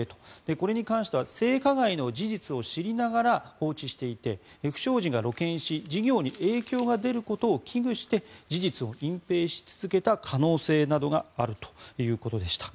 これに関しては性加害の事実を知りながら放置していて、不祥事が露見し事業に影響が出ることを危惧して事実を隠ぺいし続けた可能性などがあるということでした。